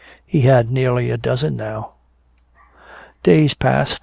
He had nearly a dozen now. Days passed.